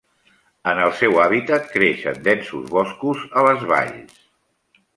En el seu hàbitat, creix en densos boscos, a les valls.